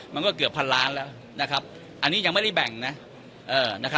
มันก็เกือบพันล้านแล้วนะครับอันนี้ยังไม่ได้แบ่งนะ